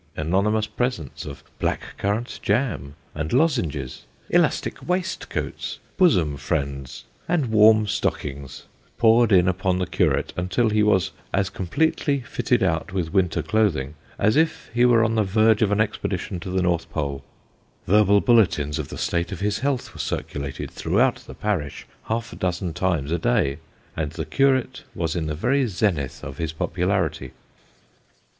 Anonymous presents of black currant jam, and lozenges, elastic waistcoats, bosom friends, and warm stockings, poured in upon the curate until he was as completely fitted out, with winter clothing, as if he were on the verge of an expedition to the North Pole : verbal bulletins of the state of his health were circulated throughout the parish half a dozen times a day ; and the curate was in the very zenith of his popularity.